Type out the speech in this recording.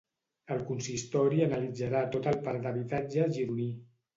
El consistori analitzarà tot el parc d'habitatge gironí.